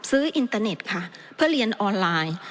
อินเตอร์เน็ตค่ะเพื่อเรียนออนไลน์